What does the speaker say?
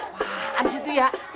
wah anjir tuh ya